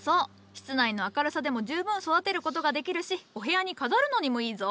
室内の明るさでも十分育てることができるしお部屋に飾るのにもいいぞ。